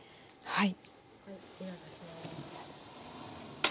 はい。